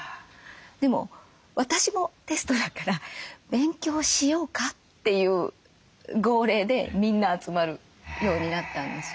でも私もテストだから「勉強しようか」っていう号令でみんな集まるようになったんですよ。